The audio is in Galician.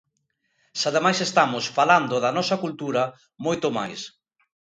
Se ademais estamos falando da nosa cultura, moito máis.